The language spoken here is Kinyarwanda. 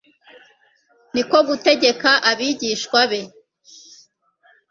niko gutegeka abigishwa be,